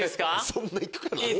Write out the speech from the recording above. そんないくかな？